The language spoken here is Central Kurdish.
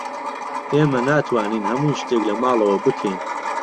ئێمە ناتوانین هەموو شتێک لە ماڵەوە بکەین.